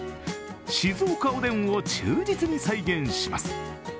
静岡おでんを忠実に再現します。